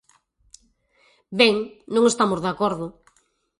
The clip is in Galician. Ben, non estamos de acordo.